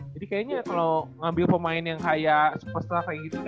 jadi kayaknya kalo ngambil pemain yang kayak superstar kayak gitu kayaknya kayak bunuh diri juga sih